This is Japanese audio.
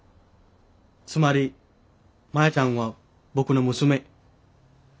つまりマヤちゃんは僕の娘。